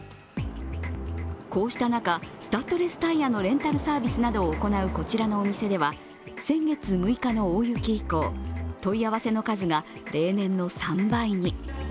こうした中、スタッドレスタイヤのレンタルサービスなどを行うこちらのお店では、先月６日の大雪以降、問い合わせの数が例年の３倍に。